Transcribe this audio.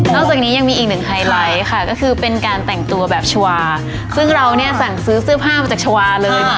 จากนี้ยังมีอีกหนึ่งไฮไลท์ค่ะก็คือเป็นการแต่งตัวแบบชาวาซึ่งเราเนี่ยสั่งซื้อเสื้อผ้ามาจากชาวาเลย